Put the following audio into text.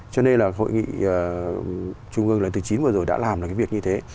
cho nên là hội nghị trung ương chín vừa rồi đã làm được cái việc như thế